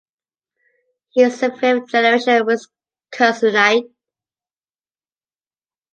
He is a fifth-generation Wisconsinite.